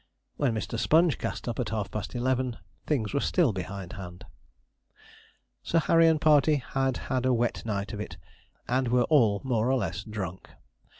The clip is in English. When Mr. Sponge cast up at half past eleven, things were still behind hand. Sir Harry and party had had a wet night of it, and were all more or less drunk.